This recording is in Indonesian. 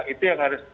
itu yang harus